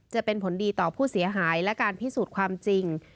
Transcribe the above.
จะเป็นผลดีต่อผู้เสียหายและการพิสูจน์ความจริง